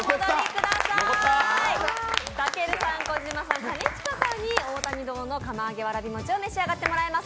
たけるさん、小島さん、兼近さんに、大谷堂の釜あげわらび餅を召し上がっていただきます。